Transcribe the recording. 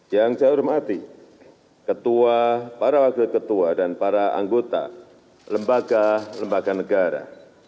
yang saya hormati ketua para wakil ketua dan para anggota lembaga lembaga negara